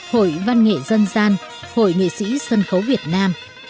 hội văn nghệ dân gian hội nghệ sĩ sân khấu việt nam